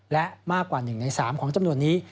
และมากกว่า๑ใน๓ของจำนวนนี้